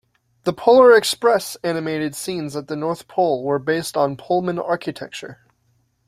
"The Polar Express" animated scenes at the North Pole were based on Pullman architecture.